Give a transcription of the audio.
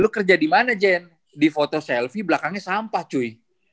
lo kerja dimana jen di foto selfie belakangnya sampah cuy